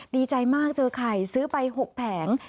ดีใจมากเจอไข่ซื้อไป๖แผง